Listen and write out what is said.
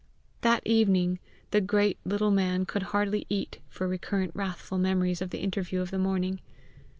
That evening, the great little man could hardly eat for recurrent wrathful memories of the interview of the morning.